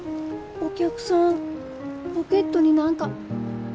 お客さんポケットに何か。